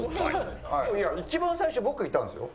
いや一番最初僕いたんですよ。